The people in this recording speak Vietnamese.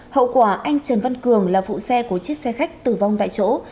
hậu quả anh trần văn cường là phụ xe của chiếc xe khách tử vong tại chỗ